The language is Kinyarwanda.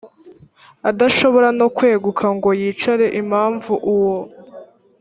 adashobora no kweguka ngo yicare impamvu uwo